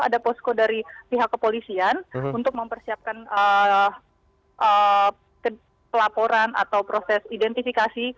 ada posko dari pihak kepolisian untuk mempersiapkan pelaporan atau proses identifikasi